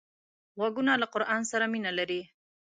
غوږونه له قرآن سره مینه لري